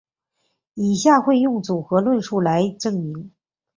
以下会用组合论述来证明。